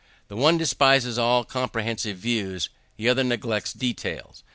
The one despises all comprehensive views, the other neglects details.